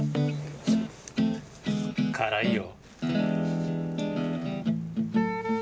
辛いよ。